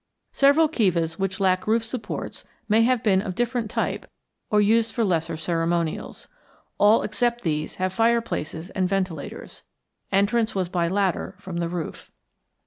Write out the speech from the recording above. Several kivas which lack roof supports may have been of different type or used for lesser ceremonials. All except these have fireplaces and ventilators. Entrance was by ladder from the roof.